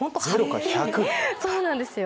そうなんですよ